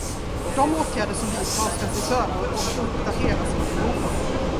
De åtgärder som vidtas ska ses över och uppdateras vid behov.